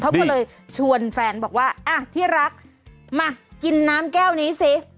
เขาก็เลยชวนแฟนบอกว่าอ่ะที่รักมากินน้ำแก้วนี้สิ